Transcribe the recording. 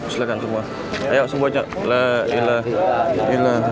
silakan semua ayo semuanya lah ilah ilah ilallah